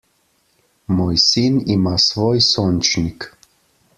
Moj sin ima svoj sončnik.